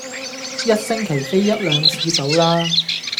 一星期飛一兩次到啦